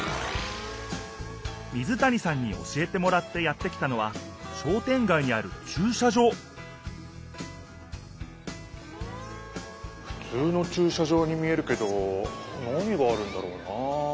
水谷さんに教えてもらってやって来たのは商店街にあるちゅう車場ふつうのちゅう車場に見えるけど何があるんだろうな？